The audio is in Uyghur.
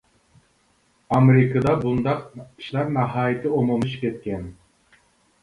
ئامېرىكىدا بۇنداق ئىشلار ناھايىتى ئومۇملىشىپ كەتكەن.